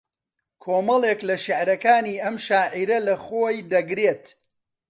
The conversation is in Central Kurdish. کۆمەڵێک لە شێعرەکانی ئەم شاعێرە لە خۆی دەگرێت